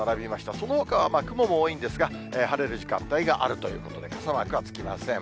そのほかは雲も多いんですが、晴れる時間帯があるということで、傘マークはつきません。